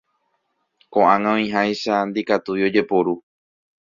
Koʼág̃a oĩháicha ndikatúi ojepuru.